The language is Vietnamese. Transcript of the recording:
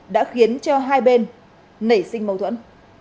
đã khiến cho hai bên nảy sinh mâu thuẫn